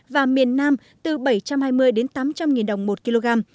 và miền nam từ bảy trăm hai mươi đến tám trăm linh nghìn đồng một kg